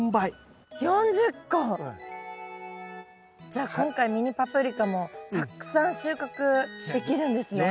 じゃあ今回ミニパプリカもたくさん収穫できるんですね。